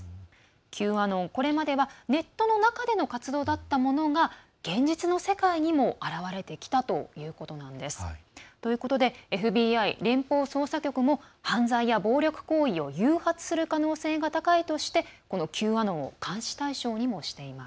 Ｑアノン、これまではネットの中での活動だったものが現実の世界にも現れてきたということなんです。ということでＦＢＩ＝連邦捜査局も犯罪や暴力行為を誘発する可能性が高いとして、Ｑアノンを監視対象にもしています。